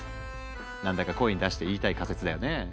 何だか声に出して言いたい仮説だよね。